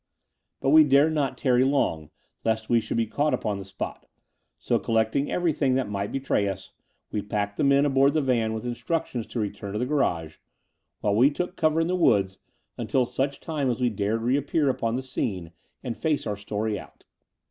But we dared not tarry long lest we should be caught upon the spot: so, collecting everything that might betray us, we packed the men aboard The Dower House 299 the van with instructions to return to the garage, while we took cover in the woods until such time as we dared reappear upon the scene and face our story out.